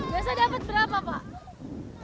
biasa dapat berapa pak